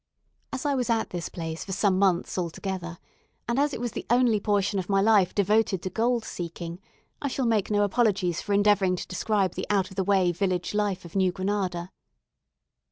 As I was at this place for some months altogether, and as it was the only portion of my life devoted to gold seeking, I shall make no apologies for endeavouring to describe the out of the way village life of New Granada.